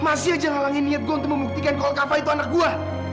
masih aja ngalangin niat gue untuk membuktikan kalau kafa itu anak gue